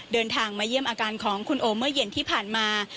เดินทางมาเยี่ยมอาการของคุณโอเมื่อเย็นที่ผ่านมา